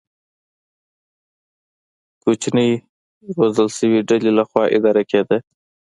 کوچنۍ روزل شوې ډلې له خوا اداره کېده.